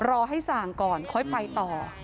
รอให้สั่งก่อนค่อยไปต่อ